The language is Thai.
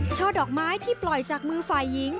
ช่อดอกไม้ที่ปล่อยจากมือฝ่ายหญิง